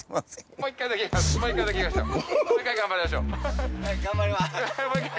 もう一回頑張りましょう。